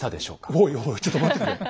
おいおいちょっと待ってくれ。